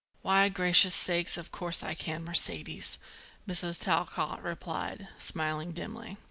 "Why, gracious sakes, of course I can, Mercedes," Mrs. Talcott replied, smiling dimly.